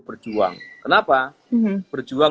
berjuang kenapa berjuang